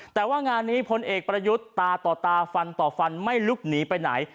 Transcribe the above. แต่ว่างานนี้พลเอกประยุทธ์ตาต่อตาฟันต่อฟันไม่ลุกหนีไปไหน